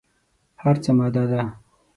هر څه ماده ده.